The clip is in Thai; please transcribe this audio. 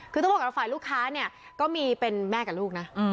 คือต้องบอกเรากับฝ่ายลูกค้าก็มีเป็นแม่กับลูกนะ